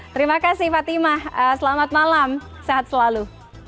terima kasih fatimah selamat malam sehat selalu